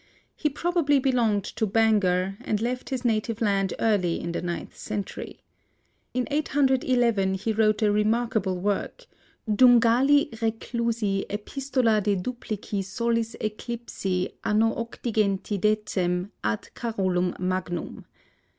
He probably belonged to Bangor, and left his native land early in the ninth century. In 811 he wrote a remarkable work, Dungali Reclusi Epistola de duplici solis eclipsi anno 810 ad Carolum Magnum.